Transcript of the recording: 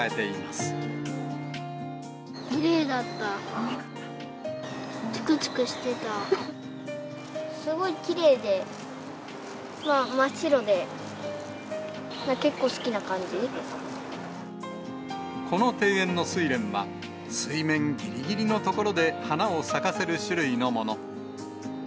すごいきれいで、真っ白で、この庭園のスイレンは、水面ぎりぎりの所で花を咲かせる種類のもの。